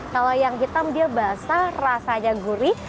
kalau yang hitam dia basah rasanya gurih